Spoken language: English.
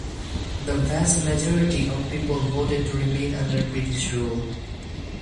The vast majority of people voted to remain under British rule.